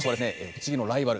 栃木のライバル